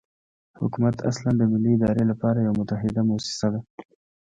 حکومت اصلاً د ملي ادارې لپاره یوه متحده موسسه ده.